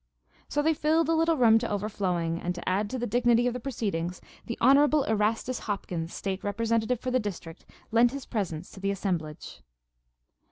So they filled the little room to overflowing, and to add to the dignity of the proceedings the Hon. Erastus Hopkins, State Representative for the district, lent his presence to the assemblage.